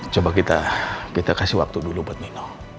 coba kita kasih waktu dulu buat nina